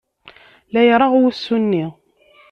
La ireɣɣ wusu-nni!